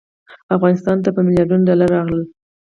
افغانستان ته په میلیاردونو ډالر راغلل.